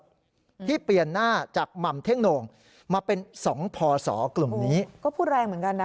ที่เปลี่ยนหน้าจากหม่ำเท่งโน่งมาเป็นสองพศกลุ่มนี้ก็พูดแรงเหมือนกันนะ